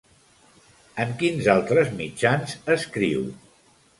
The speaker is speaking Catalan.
En quins altres mitjans escriu?